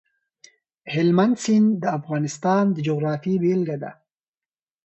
هلمند سیند د افغانستان د جغرافیې بېلګه ده.